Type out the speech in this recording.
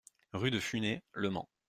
Rue de Funay, Le Mans